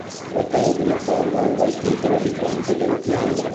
Il fratello di Leopoldo aveva il titolo di Conte delle Fiandre.